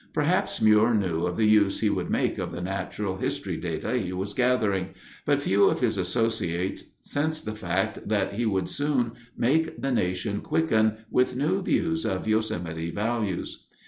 Perhaps Muir knew of the use he would make of the natural history data he was gathering, but few of his associates sensed the fact that he would soon make the nation quicken with new views of Yosemite values.